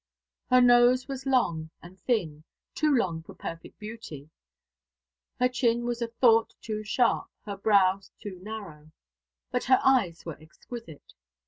Her nose was long and thin, too long for perfect beauty. Her chin was a thought too sharp, her brow too narrow. But her eyes were exquisite.